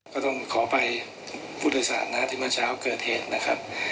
ก็ต้องขอไปผู้โดยศาสตร์ที่เมื่อเช้าเกิดเหตุนะครับ